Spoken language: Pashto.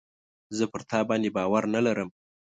زه پر تا باندي باور نه لرم .